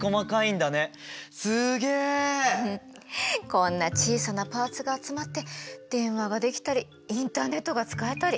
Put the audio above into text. こんな小さなパーツが集まって電話ができたりインターネットが使えたり。